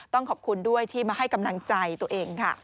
ต้องขอบคุณด้วยที่มาให้กำลังใจตัวเองค่ะ